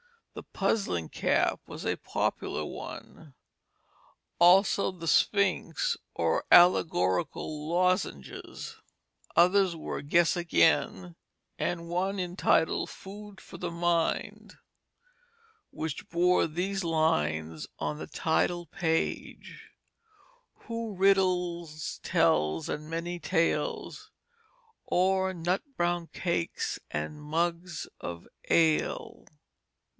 The Puzzling Cap was a popular one; also The Sphinx or Allegorical Lozenges. Others were Guess Again, and one entitled Food for the Mind, which bore these lines on the title page: "Who Riddles Tells and Many Tales, O'er Nutbrown Cakes and Mugs of Ale."